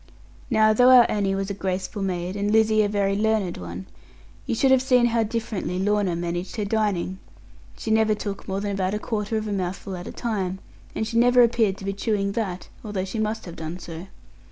Now, though our Annie was a graceful maid, and Lizzie a very learned one, you should have seen how differently Lorna managed her dining; she never took more than about a quarter of a mouthful at a time, and she never appeared to be chewing that, although she must have done so.